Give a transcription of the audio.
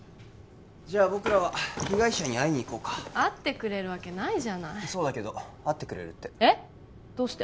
僕らは被害者に会いにいこうか会ってくれるわけないそうだけど会ってくれるってえッどうして？